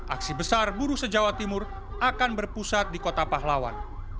aksi besar buruh se jawa timur akan berpusat di kota pahlawan